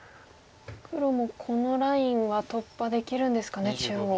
黒もこのラインは突破できるんですかね中央。